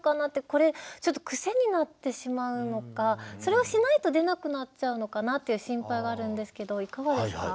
これちょっと癖になってしまうのかそれをしないと出なくなっちゃうのかなっていう心配があるんですけどいかがですか？